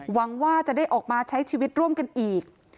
หวังว่าจะได้ออกมาใช้ชีวิตร่วมกันอีก